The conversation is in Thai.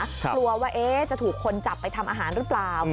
กลัวว่าจะถูกคนจับไปทำอาหารหรือเปล่า